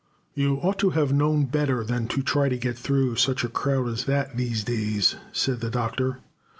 "You ought to have known better than to try to get through such a crowd as that these days," said the Doctor.